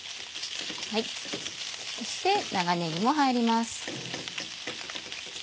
そして長ねぎも入ります。